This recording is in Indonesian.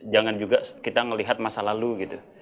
jangan juga kita melihat masa lalu gitu